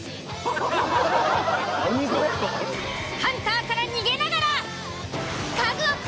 ハンターから逃げながら。